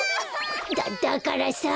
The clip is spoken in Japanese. だだからさ！